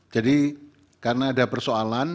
jadi karena ada persoalan